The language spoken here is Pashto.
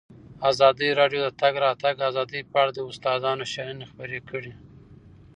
ازادي راډیو د د تګ راتګ ازادي په اړه د استادانو شننې خپرې کړي.